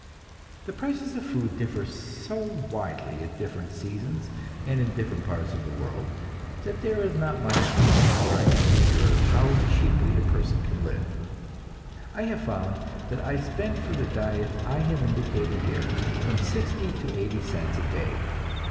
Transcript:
The prices of food differ so widely at different seasons and in different parts of the world, that there is not much profit in trying to figure how cheaply a person can live. I have found that I spend for the diet I have indicated here, from sixty to eighty cents a day.